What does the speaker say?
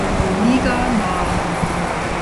Liga nach.